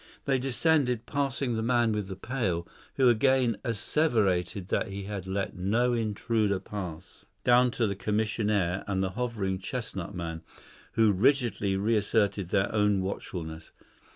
They descended, passing the man with the pail, who again asseverated that he had let no intruder pass, down to the commissionaire and the hovering chestnut man, who rigidly reasserted their own watchfulness.